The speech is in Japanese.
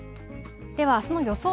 では、あすの予想